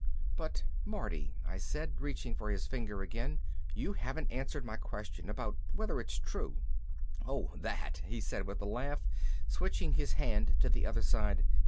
"But Marty," I said, reaching for his finger again, "you haven't answered my question. About whether it's true." "Oh that!" he said with a laugh, switching his hand to the other side.